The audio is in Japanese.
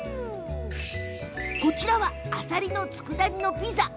こちらはアサリのつくだ煮のピザ。